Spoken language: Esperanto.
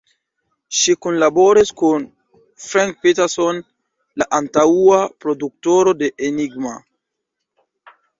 Ŝi kunlaboras kun Frank Peterson, la antaŭa produktoro de Enigma.